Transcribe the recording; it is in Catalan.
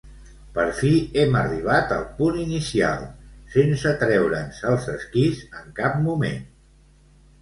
Per fi hem arribat al punt inicial, sense treure'ns els esquís en cap moment.